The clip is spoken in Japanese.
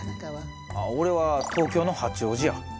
俺は東京の八王子や。